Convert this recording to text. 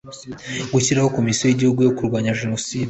gushyiraho komisiyo y'igihugu yo kurwanya jenoside